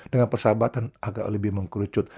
dengan persahabatan agak lebih mengkerucut